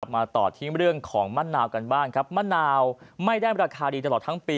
มาต่อที่เรื่องของมะนาวกันบ้างครับมะนาวไม่ได้ราคาดีตลอดทั้งปี